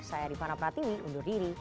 saya arifana pratiwi undur diri